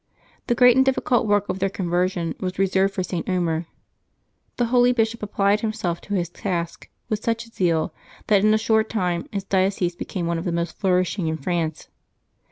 The great and difficult work of their conversion was re served for St. Omer. The holy bishop applied himself to his task with such zeal that in a short time his diocese be came one of the most flourishing in France.